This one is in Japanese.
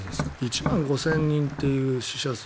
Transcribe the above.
１万５０００人という死者数。